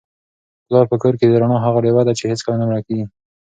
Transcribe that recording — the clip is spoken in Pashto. پلار په کور کي د رڼا هغه ډېوه ده چي هیڅکله نه مړه کیږي.